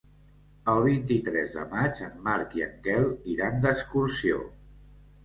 El vint-i-tres de maig en Marc i en Quel iran d'excursió.